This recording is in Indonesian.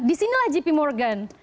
disinilah jp morgan